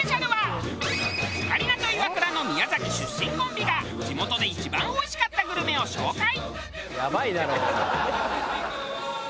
オカリナとイワクラの宮崎出身コンビが地元で一番おいしかったグルメを紹介！